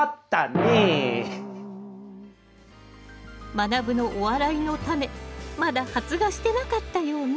まなぶのお笑いのタネまだ発芽してなかったようね。